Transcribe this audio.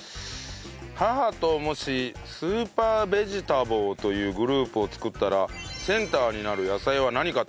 「母ともしスーパーベジタボーというグループを作ったらセンターになる野菜は何かという話をしました」